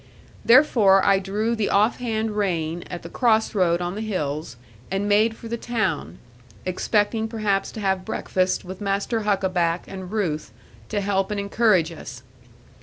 Therefore I drew the off hand rein, at the cross road on the hills, and made for the town; expecting perhaps to have breakfast with Master Huckaback, and Ruth, to help and encourage us.